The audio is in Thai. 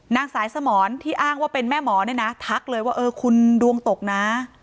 นางสายสมรที่อ้างว่าเป็นแม่หมอเนี่ยนะทักเลยว่าเออคุณดวงตกนะ